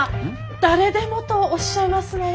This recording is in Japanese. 「誰でも」とおっしゃいますのは？